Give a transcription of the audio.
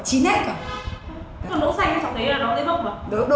chín hết rồi còn đỗ xanh trong đấy là nó mới mốc mà đỗ